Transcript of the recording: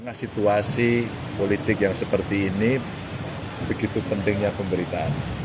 unya satu si politik yg sepei ini begitu pentingnya pemberitaan